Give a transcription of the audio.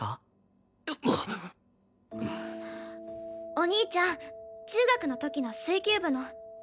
お兄ちゃん中学の時の水球部の。